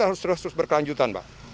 harus berkelanjutan pak